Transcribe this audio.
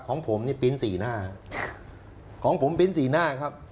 ของผมนี่ปริ้นต์สี่หน้าครับ